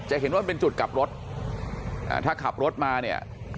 เห็นว่ามันเป็นจุดกลับรถถ้าขับรถมาเนี่ย